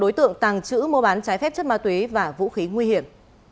đối tượng tàng trữ mua bán trái phép chất ma túy và vũ khí nguy hiểm